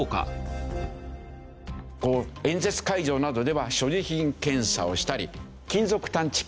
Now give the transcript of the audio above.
演説会場などでは所持品検査をしたり金属探知機。